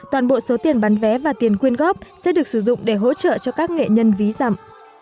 toàn bộ số tiền bán vé và tiền quyên góp sẽ được sử dụng để hỗ trợ cho các nghệ nhân ví dặm